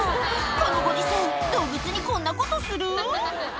「このご時世動物にこんなことする？」